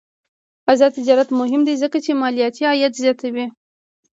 آزاد تجارت مهم دی ځکه چې مالیاتي عاید زیاتوي.